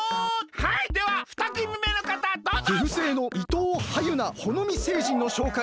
はいではふたくみめのかたどうぞ！